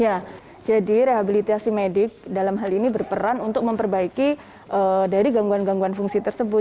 ya jadi rehabilitasi medik dalam hal ini berperan untuk memperbaiki dari gangguan gangguan fungsi tersebut